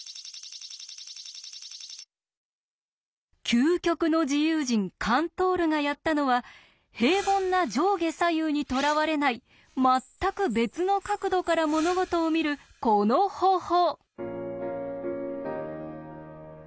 究極の自由人カントールがやったのは平凡な上下左右にとらわれないまったく別の角度から物事を見るこの方法！